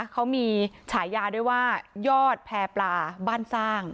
เขามีฉายาด้วยว่ายอดแพร่ปลาบ้านสร้าง